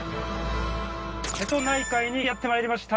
瀬戸内海にやってまいりました。